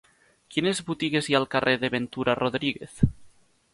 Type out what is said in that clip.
Quines botigues hi ha al carrer de Ventura Rodríguez?